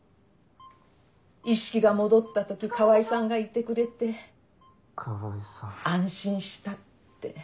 意識が戻った時川合さんがいてくれて安心したって。